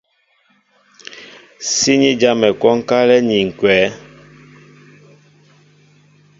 Síní jámɛ kwónkálɛ́ ni ǹkwɛ̌.